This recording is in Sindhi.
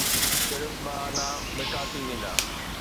صرف ٻه آنا مٺا ٿي ويندا